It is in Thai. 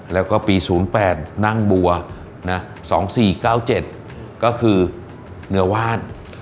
แล้วก็ปี๐๘ตาวรีดนั่งบัว๒๔๙๗ก็คือเหนือวาล